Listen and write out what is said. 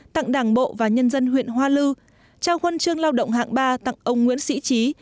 tặng đảng bộ và nhân dân huyện hoa lư trao huân chương lao động hạng ba tặng ông nguyễn sĩ trí